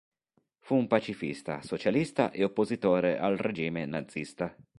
Fu un pacifista, socialista e oppositore al regime nazista.